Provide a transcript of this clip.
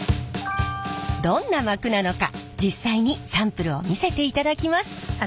どんな膜なのか実際にサンプルを見せていただきます。